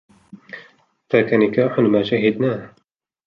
ذَاكَ نِكَاحٌ مَا شَهِدْنَاهُ